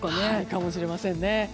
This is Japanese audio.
かもしれませんね。